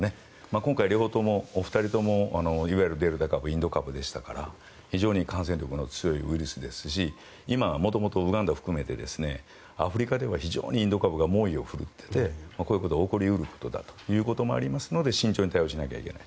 今回はお二人ともインド株でしたから非常に感染力の強いウイルスですし今、元々ウガンダ含めてアフリカでは非常にインド株が猛威を振るっていてこういうことが起こり得るということなので慎重に対応しなきゃいけない。